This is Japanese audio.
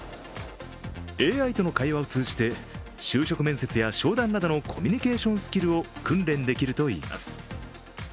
ＡＩとの会話を通じて就職面接や商談などのコミュニケーションスキルを訓練できるといいます。